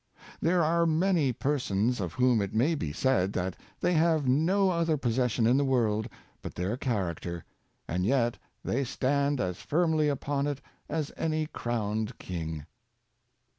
There are many persons of whom it may be said that they have no other possession in the world but their charac ter, and yet they stand as firmly upon it as any crowned king.